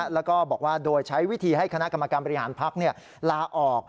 แล้วก็บอกว่าโดยใช้วิธีให้คณะกรรมการบริหารพักลาออก